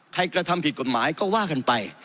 กระทำผิดกฎหมายก็ว่ากันไป